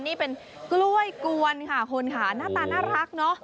นี่เป็นกล้วยกวนค่ะคุณค่ะหน้าตาน่ารักเนอะ